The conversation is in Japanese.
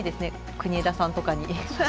国枝さんとかに。